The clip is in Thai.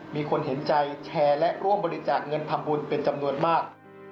มีคนเห็นใจแชร์และร่วมบริจาคเงินทำบุญเป็นจำนวนมาก